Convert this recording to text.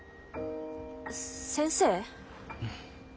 先生？